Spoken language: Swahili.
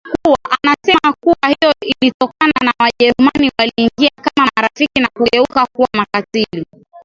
Anasema kuwa hiyo ilitokana na Wajerumani waliingia kama marafiki na kugeuka kuwa makatili